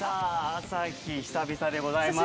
朝日久々でございます。